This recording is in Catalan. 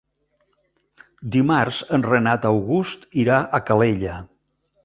Dimarts en Renat August irà a Calella.